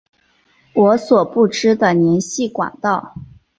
我所不知的联系管道